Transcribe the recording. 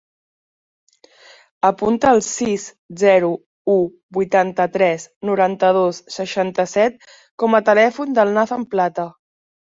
Apunta el sis, zero, u, vuitanta-tres, noranta-dos, seixanta-set com a telèfon del Nathan Plata.